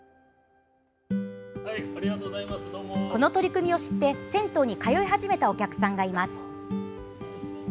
この取り組みを知って銭湯に通い始めたお客さんがいます。